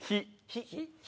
ひ。